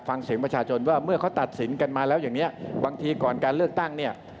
ฟังเสียงประชาชนว่าเมื่อเขาตัดสินกันมาแล้วอย่างนี้บางทีก่อนการเลือกตั้งเนี่ย